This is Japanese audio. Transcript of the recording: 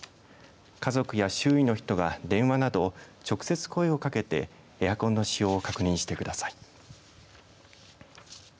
家族や周囲の人が電話など直接声をかけてエアコンの使用を確認してください。